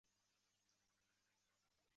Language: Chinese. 这显示安提阿在基督宗教历史上的意义。